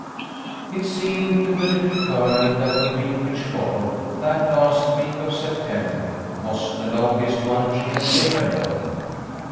It seemed to the Little Colonel that the week which followed, that last week of September, was the longest one she had ever known.